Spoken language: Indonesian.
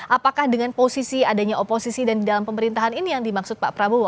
apakah dengan posisi adanya oposisi dan di dalam pemerintahan ini yang dimaksud pak prabowo